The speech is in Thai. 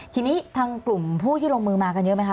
ทีนี้ทางกลุ่มผู้ที่ลงมือมากันเยอะไหมค